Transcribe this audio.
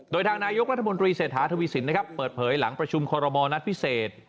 โดยทางนายกรัฐมนตรีเศรษฐาทวีสินนะครับเปิดเผยหลังประชุมคอรมอลนัดพิเศษ